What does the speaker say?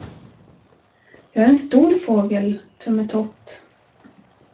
Jag är en stor fågel, Tummetott